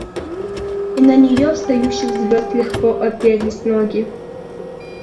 И на нее встающих звезд легко оперлись ноги.